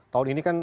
tahun ini kan